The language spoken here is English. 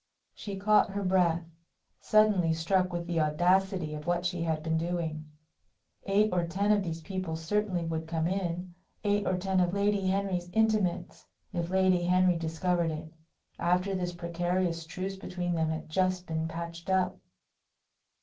She caught her breath suddenly struck with the audacity of what she had been doing. Eight or ten of these people certainly would come in eight or ten of Lady Henry's "intimates." If Lady Henry discovered it after this precarious truce between them had just been patched up!